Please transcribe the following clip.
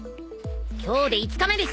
今日で５日目ですよ！